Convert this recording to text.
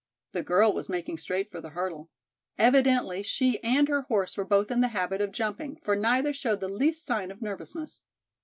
The girl was making straight for the hurdle. Evidently she and her horse were both in the habit of jumping for neither showed the least sign of nervousness.